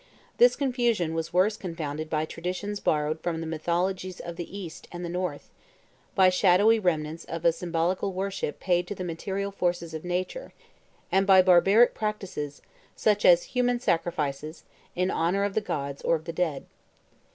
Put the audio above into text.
This confusion was worse confounded by traditions borrowed from the mythologies of the East and the North, by shadowy remnants of a symbolical worship paid to the material forces of nature, and by barbaric practices, such as human sacrifices, in honor of the gods or of the dead.